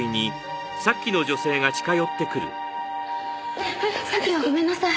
ねぇさっきはごめんなさい。